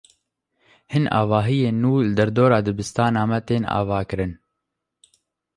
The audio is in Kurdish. Hin avahiyên nû li derdora dibistana me tên avakirin.